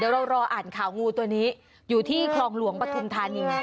เดี๋ยวเรารออ่านข่าวงูตัวนี้อยู่ที่คลองหลวงปฐุมธานี